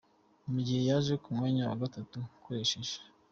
Mu gihe yaje ku mwanya wa gatatu akoresheje.